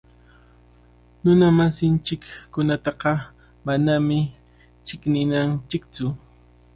Runamasinchikkunataqa manami chiqninanchiktsu.